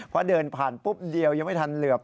เพราะเดินผ่านปุ๊บเดียวยังไม่ทันเหลือบ